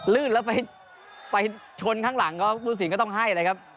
ลื่นแล้วไปชนข้างหลังก็ผู้สินก็ต้องให้เลยครับ